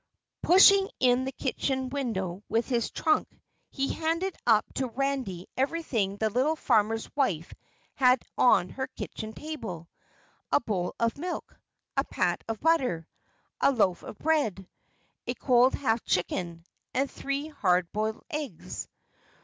Pushing in the kitchen window with his trunk, he handed up to Randy everything the little farmer's wife had on her kitchen table a bowl of milk, a pat of butter, a loaf of bread, a cold half chicken and three hard boiled eggs.